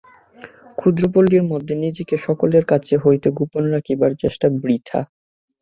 ক্ষুদ্র পল্লীর মধ্যে নিজেকে সকলের কাছ হইতে গোপন রাখিবার চেষ্টা বৃথা।